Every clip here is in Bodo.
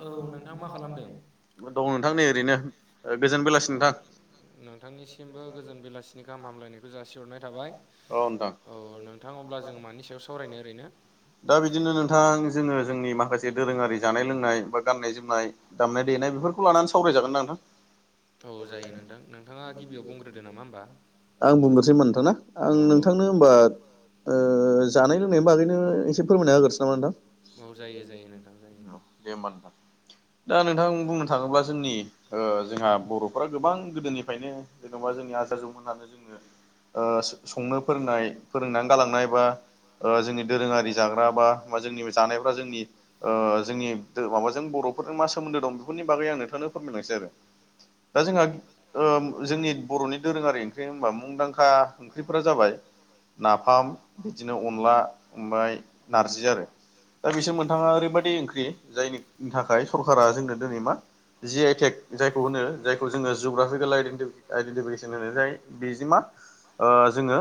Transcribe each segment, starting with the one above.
औ मा खालामदों दं नोंथां नै ओरैनो गोजोन बेलासि अ नोंथां। नोंथांनिसिमबो गोजोन बेलासिनि गाहाम हामलायनायखौ जासिहरनाय थाबाय। औ नोंथां अब्ला जों मानि सायाव सावरायनो ओरैनो? दा बिदिनो नोंथां जोङो जोंनि माखासे दोरोङारि जानाय लोंनाय बा गाननाय जोमनाय दामनाय देनाय बेफोरखौ लानानै सावरायजागोनना नोंथां? औ जायो नोंथां नोंथाङा गिबियाव बुंग्रोदो नामा होमबा। आं बुंगोरसै होमबा नोंथां ना औ आं नोंथांनो होमबा जानाय लोंनायनि बागैनो एसे फोरमायना होगोनसै नामा नोंथां? औ जायो जायो नोंथां जायो। दे होमबा नोंथां दा नोंथां बुंनो थाङोब्ला जोंनि ओ जोंहा बर'फ गोबां गोदोनिफ्रायनो जेन'बा जोंनि [unintelligible] ओ संनो फोरोंनाय फोरोंनानै गालांनाय बा ओ जोंनि दोरोङारि जाग्रा बा बा जोंनि जानायफ्रा जोंनि ओ जोंनि माबाजों बर'फोरजों मा सोमोन्दो दं बेफोरनि बागै आं नोंथांनो फोरमायलांसै आरो। दा जोंहा ओम जोंनि बर'नि दोरोङारि ओंख्रि होमबा मुंदांखा ओंख्रिफोरा जाबाय नाफाम बिदिनो अनला ओमफ्राय नारजि आरो। दा बिसोर मोनथाङा ओरैबायाददि ओंख्रि जायनिनि थाखाय सरकारा जोंनो दिनै मा जि आइटेक जायखौ होनो जायखौ जोङो जअग्राफिकेल आइडेन्टिफिकेसन होनो जाय बेजों मा ओ जोङो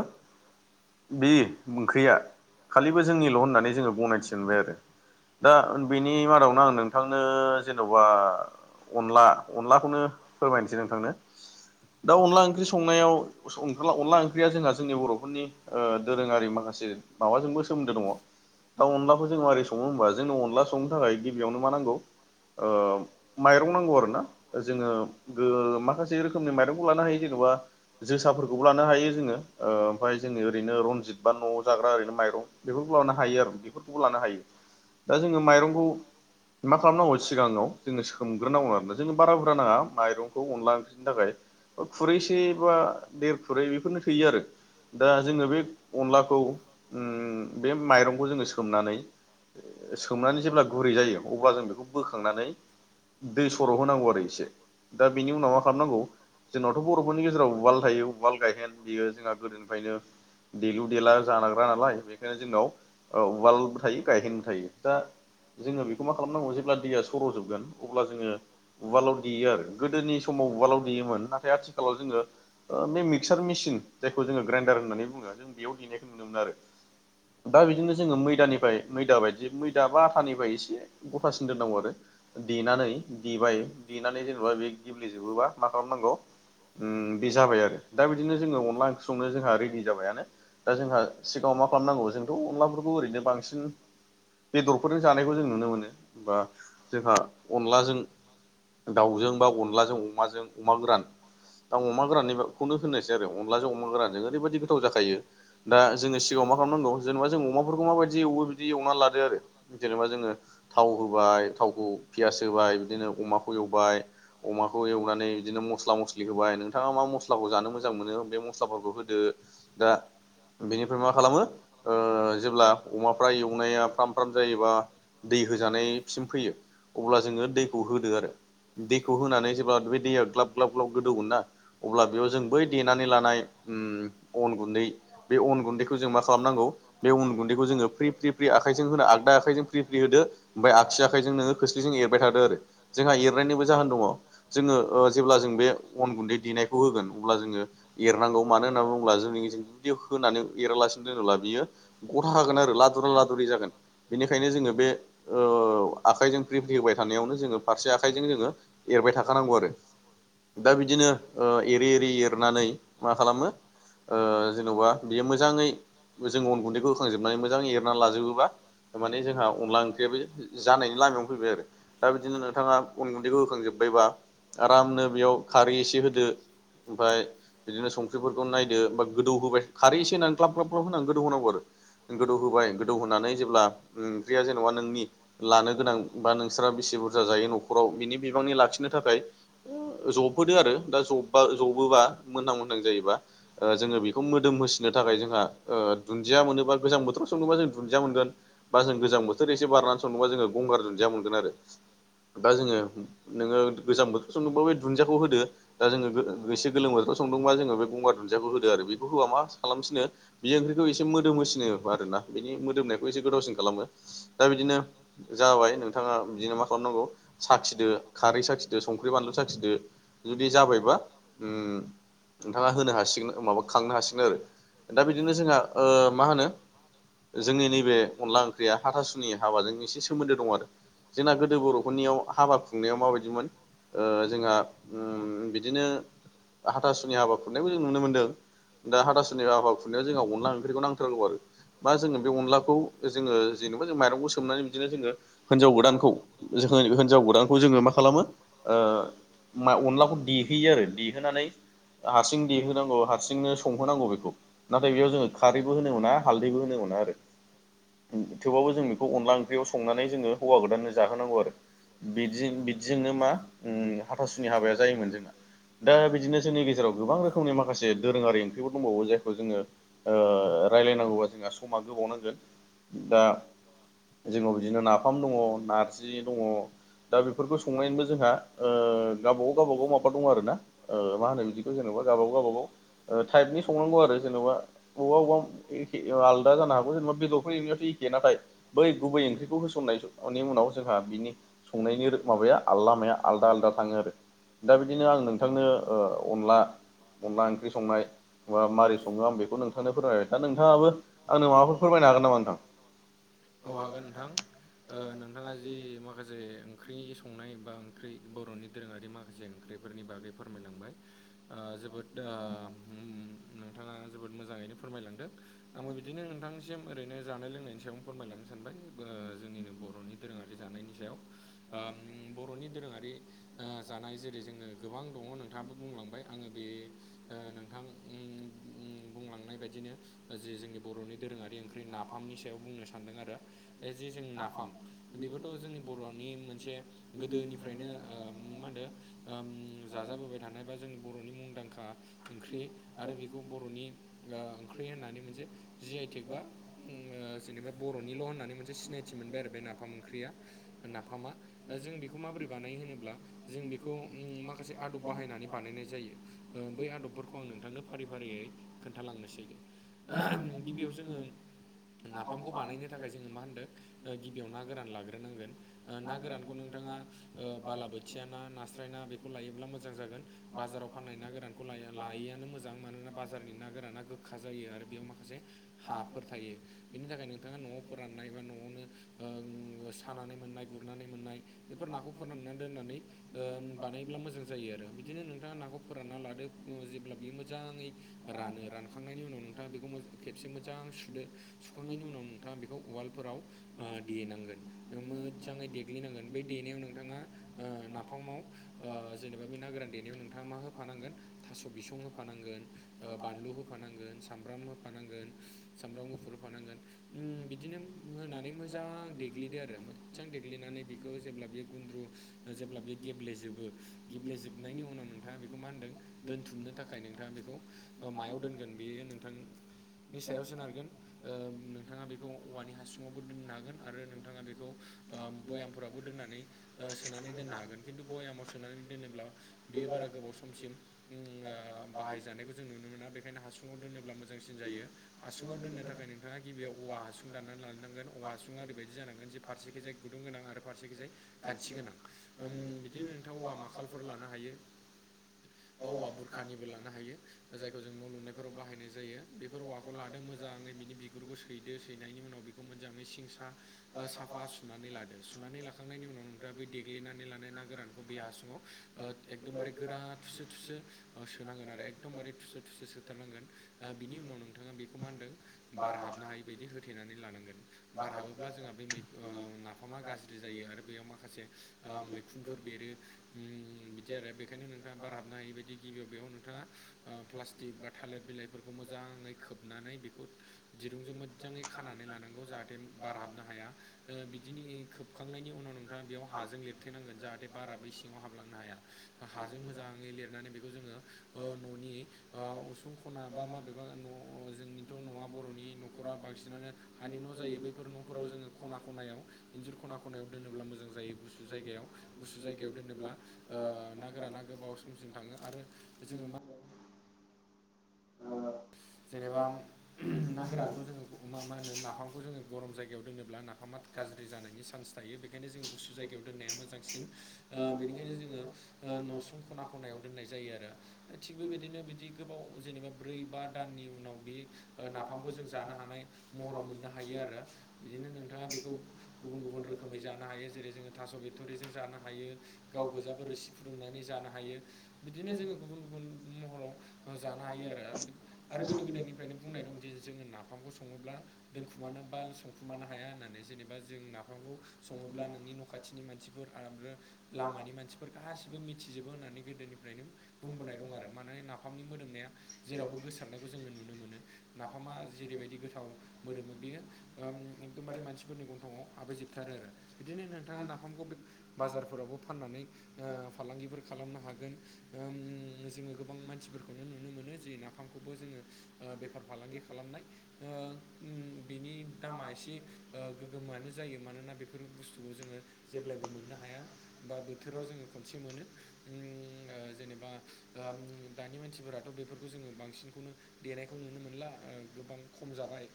बे ओंख्रिया खालिबो जोंनिल' होननानै जोङो गनायथि मोनबाय आरो दा बिनि मादावनो आं नोंथांनो जेन'बा अनला अनलाखौनो फोरमायनोसै नोंथांनो दा अनला ओंख्रि संनायाव अनला ओंख्रिया जोंहा जोंनि बर'फोरनि ओ दोरोङारि माखासे माबाजोंबो सोमोन्दो दङ। दा अनलाखौ जों मारै सङो होमबा जोंनो अनला संनो थाखाय गिबियावनो मा नांगौ ओ माइरं नांगौ आरो ना जोङो ओ माखासे रोखोमनि माइरंखौ लानो हायो जेनेबा जोसाफोरखौबो लानो हायो जोङो ओ ओमफ्राय जोङो ओरैनो रनजित बा न'आव जाग्रा ओरैनो माइरं बेफोरखौ लानो हायो आरो बेफोरखौबो लानो हायो दा जोङो माइरंखौ [inaudible] मा खालामनांगौ सिगाङाव जोङो सोमग्रोनांगौ आरोना जोंनो बारा बुरजा नाङा माइरंखौ अनला ओंख्रि नि थाखाय खुरैसे बा देर खुरै बेफोरनो थोयो आरो। दा जोङो बे अनलाखौ ओम बे माइरंखौ जोङो सोमनानै सोमनानै जेब्ला गुरै जायो अब्ला जों बेखौ बोखांनानै दै सर' होनांगौ आरो इसे दा बिनि उनाव मा खालामनांगौ जोंनावथ' बर'फोरनि गेजेराव उवाल थायो उवाल गायहेन बेयो जोंहा गोदोनिफ्रायनो देलु देला जानाग्रा नालाय बेखायनो जोंनाव ओ उवालबो थायो गायहेनबो थायो। दा जोङो बेखौ मा खालामनांगौ जेब्ला दैया सर'जोबगोन अब्ला जोङो उवालाव देयो आरो गोदोनि समाव उवालाव देयोमोन नाथाय आथिखालाव जोङो ओ बे मिक्सार मेसिन जायखौ जोङो ग्राइनडार होननानै बुङो जों बेयाव देनायखौ नुनो मोनो आरो। दा बिदिनो जोङो मैदानिफ्राय मैदा बायदि मै दा बा आथानिफ्राय एसे गथासिन दोननांगौ आरो। देनानै देबाय देनानै जेनेबा बे गेब्लेजोबोबा मा खालामनांगौ उम बे जाबाय आरो दा बिदिनो जोङो अनला ओंख्रि संनो जोंहा रेडि जाबायानो। दा जोंहा सिगाङाव मा खालामनांगौ जोंथ' अनलाफोरखौ ओरैनो बांसिन बेदरफोरजों जानायखौ जों नुनो मोनो बा जोंहा अनलाजों दाउजों बा अनलाजों अमाजों अमा गोरान दा अमा गोराननिखौनो होननोसै आरो अनलाजों अमा गोरानजों ओरैबायदि गोथाव जाखायो। दा जोङो सिगाङाव मा खालामनांगौ जेनेबा जों अमाफोरखौ माबादि एवो बिदि एवना लाद दो आरो जेनेबा जोङो थाव होबाय थावखौ पियास होबाय बिदिनो अमाखौ एवबाय अमाखौ एवनानै बिदिनो मस्ला मस्लि होबाय नोंथाङा मा मस्लाखौ जानो मोजां मोनो बे मस्लाफोरखौ होदो। दा बेनिफ्राय मा खालामो ओ जेब्ला अमाफ्रा एवनाया फ्राम फ्राम जायोबा दै होजानायसिम फैयो अब्ला जोङो दैखौ होदो आरो। दैखौ होनानै जेब्ला बे दैया ग्लाब ग्लाब ग्लाब गोदौगोन ना अब्ला बेयाव जों बै देनानै लानाय उम अन गुन्दै बे अन गुन्दैखौ जों मा खालामनांगौ बे अन गुन्दैखौ जोङो फ्रि फ्रि फ्रि आख आखाइजों होना आगदा आखाइजों फ्रि फ्रि होदो ओमफ्राय आसि आखाइजों नोङो खोस्लिजों एरबाय थादों आरो। जोंहा एरनायनिबो जाहोन दङ जोङो ओ जेब्ला जों बे अन गुन्दै देनायखौ होगोन अब्ला जोङो एरनांगौ मानो होनना बुङोब्ला जोंनि जुदि होनानै एरालासिनो दोनोब्ला बियो गथा खागोन आरो लादुरा लादुरि जागोन। बिनिखायनो जोङो बे ओ आखाइजों फ्रि फ्रि होबाय थानायावनो जोङो फारसे आखाइजों जोङो एरबाय थाखानांगौ आरो। दा बिदिनो ओ एरै एरै एरनानै मा खालामो जेन'बा बियो मोजाङै जों अन गुन्दैखौ होखांजोबनानै मोजाङै एर ना लाजोबोबा माने जोंहा अनला ओंख्रियाबो जानायनि लामायावनो फैबाय आरो दा बिदिनो नोंथाङा अन गुन्दैखौ होखांजोबायबा आरामनो बेयाव खारै एसे होदो ओमफाय बिदिनो संख्रिफोरखौ नायदो गोदौ होबाय खारै एसे होनानै ग्लाब ग्लाब ग्लाब होनानै गोदौ होननांगौ आरो। गोदौ होबाय गोदौ होनानै जेब्ला ओंख्रिया जेनबा नोंनि लानो गोनां बा नोंसोरा बेसे बुरजा जायो न'खराव बिनि बिबांनि लाखिनो थाखाय जब होदो आरो दा जा जबोबा मोनहां मोनहां जायोबा जोङो बेखौ मोदोम होसिनो थाखाय जोंहा दुन्दिया मोनोबा गोजां बोथोराव सङोबा जों दुन्दिया मोनगोन बा जों गोजां बोथोर एसे बारनानै संबा जोङो गंगार दुन्दिया मोनगोन आरो दा जोङो नोङो गोजां बोथोर स नोंबो बे दुन्दियाखौ होदो दा जोङो एसे गोलोम बोथोराव संदोंबा जोङो बे गंगार दुन्दियाखौ होदो आरो बेखौ होआ मा खालामसिनो बेयो ओंख्रिखौ एसे मोदोमोसिनो आरो ना बिनि मोदोमनायखौ एसे गोदावसिन खालामो दा बिदिनो जाबाय नोंथाङा बिदिनो मा खालामनांगौ साखिदो खारै साखिदो संख्रि बानलु साखिदो जुदि जाबायबा नोंथाङा होनो हासिगोन माबा खांनो हासिगोन आरो दा बिदिनो जोंहा मा होनो जोंनि नैबे अनला ओंख्रिया हाथासुनि हाबाजों एसे सोमोन्दो दं आरो जोंना गोदो बर'फोरनियाव हाबा खुंनायाव माबायदिमोन जोंहा बिदिनो हाथासुनि हाबा खुरनायखौ जों नुनो मोनदों दा हादास सोरनि हाबा खुनाय जोंहा अनला ओंख्रिखौ नांथारगौ आरो बा जोङो बे अनलाखौ जोङो जेनेबा जों माइरंखौ सोमनानै बिदिनो जोङो हिनजाव गोदानखौ हिनजाव गोदानखौ जोङो मा खालामो मा अनलाखौ देहोयो आरो देहोनानै हारसिं देहोनांगौ हारसिंनो संहोनांगौ बेखौ नाथाय बेयाव जोङो खारैबो होनो मोना हाल दैबो होनो मोना आरो थेवबाबबो जों बेखौ अनदला ओंख्रियाव संनानै जोङो हौवा गोदाननो जाहोनांगौ आरो बि बिदिजोंनो मा हाथासुनि हाबाया जायोमोन जोंना दा बिदिनो जोंनि गेजेराव गोबां रोखोमनि माखासे दोरोङारि ओंख्रिबो दंबावो जायखौ जोङो रायजलायनांगौबा जोंहा समा गोबाव नांगोन दा जोंनाव बिदिनो नाफाम दङ नारजि दङ दा बेफोरखौ संनायनिबो जोंहा गावबागाव गावबागाव माबा दं आरो ना मा होनो बिदिखौ जेनेबा गावबागाव गावबागाव टाइप नि संनांगौ आरो जेनेबा अबेबा अबेबा आलदा जानो हागौ जेनेबा बेदरफोर ए' नाथाय बै गुबै आओंख्रिखौ होसनाय नि उनाव जोंहा बेनि संनायनि माबाया आल लामाया आलादा आलादा थाङो आरो दा बिदिनो आं नोंथांनो अनला अनला ओंख्रि संनाय बा माबै सङो आं बेखौ नोंथांनो फोरमायबाय दा नों नोंथाङाबो आंनो माबाफोर फोरमायनो हागोन नामा नोंथां औ हागोन नोंथां नोंथाङा जि माखासे ओंख्रिनि संनाय बा ओंख्रि बर'नि दोरोङारि माखासेओ फोरनि बागै फोरमायलांबाय जोबोद दा नोंथाङा जोबोद मोजाङैनो फोरमायलांदों आंबो बिदिनो नोंथांनिसिम ओरैनो जानाय लोंनायनि सायाव फोरमायलांनो सानबाय जोंनिनो बर'नि दोरोङारि जानायनि सायाव बर'नि दोरोङारि जानाय जेरै जोङो गोबां दङ नोंथाङाबो बुंलांबाय आङो बे नोंथां बुंलांनाय बायदिनो जि जोंनि बर'नि दोरोङारि ओंख्रि नाफामनि सायाव बुंनो सानदों आरो बे जि जों नाफाम बेबोथ' जोंनि बर'नि मोनसे गोदोनिफ्रायनो ओ मा होनदो ओम जाजाबोबाय थानाय बा जोंनि बर'नि मुंदांखा ओंख्रि आरो बेखौ बर'नि ओ ओंख्रि होननानै मोनसे जि आइ टेग बा उ जेनेबा बर'निल' होननानै मोनसे सिनायथि मोनबाय आरो बे नाफाम ओंख्रिया नाफामा जों बेखौ माबोरै बानायो होनोब्ला जों बेखौ माखासे आदब बाहायनानै बानायनाय जायो। ओ बै आदबफोरखौ आं नोंथांनो फारि फारियै खोन्थालांनोसै दे गिबियाव जोङो नाफामखौ बानायनो थाखाय जोङो मा होनदों ओ गिबियाव ना गोरान लाग्रोनांगोन ओ ना गोरानखौ नोंथाङा ओ बालाबोथिया ना नास्राय ना बेखौ लायोब्ला मोजां जागोन। बाजाराव फाननाय ना गोरानखौ ला लायैआनो मोजां मानोना बाजारनि ना गोराना गोखा जायो आरो बेयाव माखासे हाफोर थायो बेनि थाखाय नोंथाङा न'आव फोराननाय बा न'आवनो ओ सानानै मोननाय गुरनानै मोननाय बेफोर नाखौ फोनाननानै दोननानै ओ बानायोब्ला मोजां जायो आरो बिदिनो नोंथाङा नाखौ फोरानना लादो जेब्ला बियो मोजाङै रानो रानखांनायनि उनाव नों नोंथाङा बेखौ खेबसे मोजां सुदो सुखांनायनि उनाव नोंथाङा बेखौ उवालफोराव ओ देनांगोन मोजाङै देग्लिनांगोन बे देनायाव नोंथाङा नाफामाव जेनेबा बे ना गोरान देनायाव नोंथाङा मा होफानांगोन थास' बिसं होफानांगोन ओ बानलु होफानांगोन सामब्राम होफानांगोन सामब्राम गुफुर होफानांगोन उ बिदिनो होनानै मोजां देग्लिदो आरो मोजां देग्लिनानै बेखौ जेब्ला बियो गुन्द्रु जेब्ला बे गेब्लेजोबो गेब्लेेजोबनायनि उनाव नोंथाङा बेखौ मा होनदों दोनथुमनो थाखाय नोंथाङा बेखौ मायाव दोनगोन बेयो नोंथांनि सायाव सोनारगोन ओ नोंथाङा बेखौ औवानि हासुङावबो दोननो हागोन आरो नोंथाङा बेखौ ओ बयामफोराबो दोननानै सोनानै दोननो हागोन खिन्थु बयामाव सोनानै दोनोब्ला बेयो बारा गोबाव समसिम उ आ बाहायजानायखौ जों नुनो मोना बेनिखायनो हासु दोनोब्ला मोजांसिन जायो हासुङाव दोननो थाखाय नोंथाङा गिबियाव औवा हासुं दाननानै लानो थांगोन औवा हासुङा ओरैबायदि जानांगोन जे फारसेखिजाय गुदुं गोनां आरो फारसेखिजाय गानथि गोनां ओम बिदिनो नोंथां औवा माखालफोर लानो हायो बा हवा बुरखानिबो लानो हायो जायखौ जों न' लुनायफोराव बाहाय नाय जायो बेफोर औवाखौ लादो मोजाङै बिनि बिगुरखौ सैदो सैनायनि उनाव बेखौ मोजाङै सिं सा ओ साफा सुनानै लादो सुनानै लाखांनायनि उनाव नोंथाङा बे देग्लिनानै लानाय ना गोरानखौ बे हासुङाव ओ एकदमबारे गोरा थुसो थुसो सोनांगोन आरो एकदमबारे थुसो थुसो सोथारनांगोन ओ बिनि उनाव नोंथाङा बेखौ मा होनदों बार हाबनो हायि बायदि होथेनानै लानांगोन बार हाबो अब्ला जोंहा बेै ओ नाफामा गाज्रि जायो आरो बेयाव माखासे मैखुनफोर बेरो उम बिदि आरो बेखायनो नोंथाङा बार हाबनो हायि बायदि गिबियाव बेयाव नोंथाङा ओ प्लास्टिक बा थालिर बिलाइ फोरखौ मोजाङै खोबनानै बेखौ दिरुंजों मोजाङै खानानै लानांगौ जाहाथे बार हाबनो हाया ओ बिदिनि खोबखांनायनि उनाव नोंथाङा बेयाव हाजों लिरथेनांगोन जाहाथे बारााबै सिङाव हाबलांनो हाया हाजों मोजाङै लिरनानै बेखौ जोङो ओ न'नि उसुं खना मा माबेबा न' जोंनि थ' न'आ बर'नि न'खरा बांसिनानो हानि न' जायो बैफोर न'फोराव जोङो खना खनायाव इन्जुर खना खनायाव दोनोब्ला मोजां जायो गुसु जायगायाव गुसु जायगायाव दोनोब्ला ओ ना गोराना गोबाव समसिम थाङो आरो जोङो मा जेनेबा ना गोरानखौ जोङो मा होनो नाफामखौ जोङो गरम जायगायाव दोनोब्ला नाफामा गाज्रि जानायनि चान्स थायो बेखायनो जोङ गुसु जायगायाव दोननाया मोजांसिन ओ बेनिखायनो जोङो ओ न'सुं खना खनायाव दोननाय जायो आरो थिग बेबायदिनो बिदि गोबाव जेनेबा ब्रै बा दाननि उनाव बे नाफामखौ जों जानो हानाय महराव मोननो हायो आरो बिदिनो नोंथाङा बेखौ गुबुन गुबुन रोखोमै जानो हायो जेरै जोङो थास' बेक्ट'रिजों जानो हायो। गाव गोजााबो रोसि फुदुंनानै जानो हायो, बिदिनो जोङो गुबुन गुबुन महराव जानो हायो आरो आरो गोदो गोदायनिफ्रायनो बुंनाय दं जे जोङो नाफामखौ सङोब्ला दोनखुमानो बाल संखुमानो हाया होननानै जेनेबा जों नाफामखौ सङोब्ला नोंनि न' खाथिनि मानसिफोर आरामनो लामानि मानसिफोर गासिबो मिथिजोबो होननानै गोदोनिफ्रायनो बुंबोनाय दं आरो माने नाफामनि मोदोमनाया जेरावबो गोसो ज नुनो मोना जेरैबाय [unintelligible] बेयो एखदमबारे मानसिफोरनि [unintelligible] आाबै जोबथारो आरो बिदिनो नोंथाङा नाफामखौ बे बाजारफोरावबो फाननानै फालांगिफोर खालामनो हागोन, जोङो गोबां मानसिफोरखौनो नुनो मोनो जे ना बिफांखौबो जोङो बेफार फालांगि खालामनाय बिनि दामा एसे गोगोमोानो जायो मानोना बेफोर बुस्थुखौ जोङो जेब्लायबो मोननो हाया बा बोथोराव जोङो खनसे मोनो जेनेबा। दानि मानसिफोराथ' बेफोरखौ जोङो बांसिन बिांसिनखौनो देनायखौ नुनो मोनला गोबां खम जाबाय।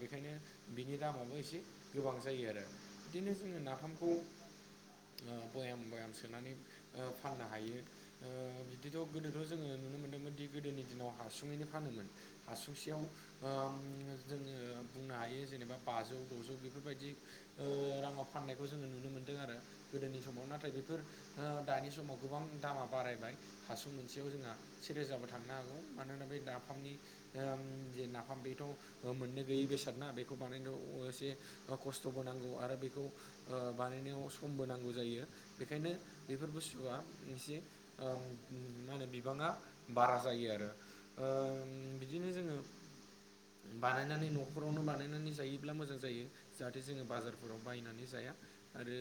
बेखायनो बिनि दामाबो एसे गोबां जायो आरो। बिदिनो जोङो नाफामखौ बयाम बयाम सोनानै फाननो हायो। बिदिथ' गोदोथ' जोङो नुनो मोन्दोंमोन दि गोदोनि दिनाव हासुङैनो फानोमोन। हौसेयाव जोङो बुंनो हायो जेनेबा बाजौ द'जौ बेफोरबायदि राङाव फाननायखौ जोङो नुनो मोनदों आरो। गोदोनि समाव नाथाय बेफोर दानि समाव गोबां दामा बारायबाय। हासु मोनसेयाव जोंहा सेेरोजाबो थांनो हागौ। नाफनिे नाफाम बेथ' मोननो गैयै बेसाद ना बे बेखौ बानायनायाव एसे खस्थ'बो नांगौ आरो बेखौ बानायनायाव समबो नांगौ जायो बेखायनो बेफोर बुस्थुआ एसे मा होनो? बिबाङा बारा जायो आरो बिदिनो जोङो बानायनानै न'खरावनो बानायनानै जायोब्ला मोजां जायो। जाहाथे जोङो बाजारफोराव बायनानै जाया आरो।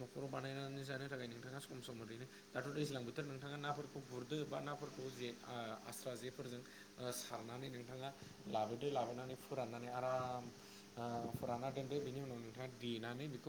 न'खराव बानायनानै जानो थाखाय नोंथाङा सम सम ओरैनो दाथ' दैज्लां बोथोर नोंथाङा नाफोरखौ गुरदो बा नाफोरखौ जे आस्रा जेफोरजों सारनानै नोंथाङा लाबोदो लाबोनानै फोराननानै आराम फोराना दोन्दो बेनि उनाव नोंथाङा देनानै बेखौ